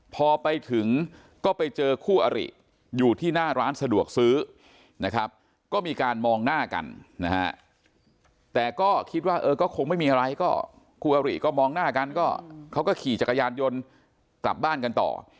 พอไปถึงก็ไปเจอคู่อริอยู่ที่หน้าร้านสะดวกซื้อนะครับก็มีการมองหน้ากันนะฮะแต่ก็คิดว่าเออก็คงไม่มีอะไรก็คู่อริก็มองหน้ากันก็เขาก็ขี่จักรยานยนต์กลับบ้านกันต่อ